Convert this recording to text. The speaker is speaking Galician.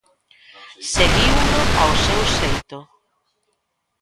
Seguiuno ao seu xeito.